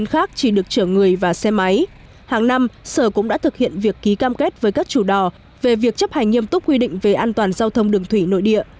hàng năm sở cũng đã thực hiện việc ký cam kết với các chủ đò về việc chấp hành nghiêm túc quy định về an toàn giao thông đường thủy nội địa